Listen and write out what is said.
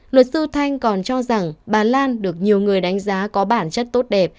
luật sư thanh còn cho rằng bà lan được nhiều người đánh giá có bản chất tốt đẹp